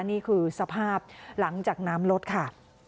นี่คือสภาพหลังจากน้ำลดค่ะ